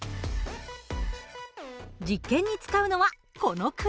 実験に使うのはこの車。